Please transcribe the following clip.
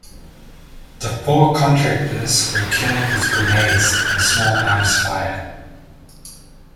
The four contractors were killed with grenades and small arms fire.